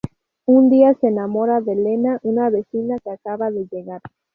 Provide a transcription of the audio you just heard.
Un día se enamora de Lena, una vecina que acaba de llegar.